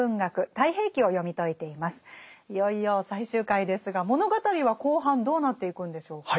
いよいよ最終回ですが物語は後半どうなっていくんでしょうか？